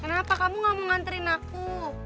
kenapa kamu gak mau nganterin aku